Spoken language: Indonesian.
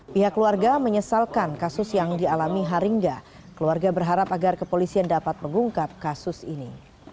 pihak keluarga menyesalkan kasus yang dialami haringga keluarga berharap agar kepolisian dapat mengungkap kasus ini